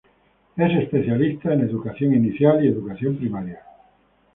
Es especialista en educación inicial y educación primaria.